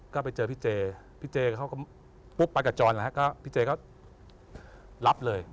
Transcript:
ก็ไปเจอพี่เจพี่เจเขาก็ปุ๊บไปกับจรนะฮะก็พี่เจก็รับเลย